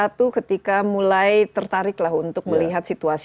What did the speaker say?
nah tahun dua ribu satu ketika mulai tertariklah untuk melihat situasi bagaimana